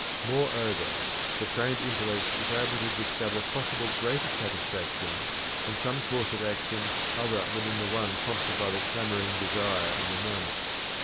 Moreover, the trained intellect is able to discover possible greater satisfaction in some course of action other than in the one prompted by the clamoring desire of the moment.